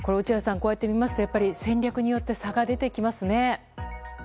こうやって見ますと戦略によって差が出てきますね。